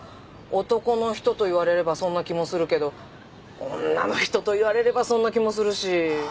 男の人と言われればそんな気もするけど女の人と言われればそんな気もするし。